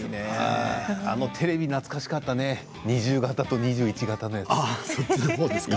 あのテレビ懐かしかったね２０型と２１型。